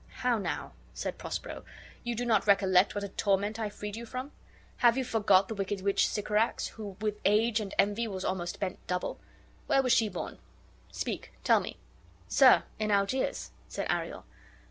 "How now!" said Prospero. "You do not recollect what a torment I freed you from. Have you forgot the wicked witch Sycorax, who with age and envy was almost bent double? Where was she born? Speak; tell me." "Sir, in Algiers," said Ariel.